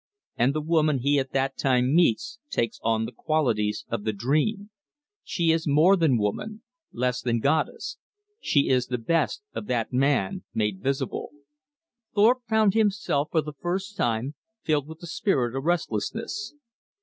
And the woman he at that time meets takes on the qualities of the dream; she is more than woman, less than goddess; she is the best of that man made visible. Thorpe found himself for the first time filled with the spirit of restlessness.